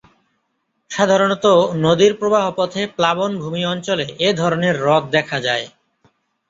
সাধারণত নদীর প্রবাহ পথে প্লাবনভূমি অঞ্চলে এ ধরনের হ্রদ দেখা যায়।